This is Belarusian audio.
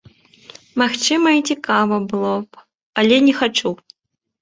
Магчыма, і цікава было б, але не хачу.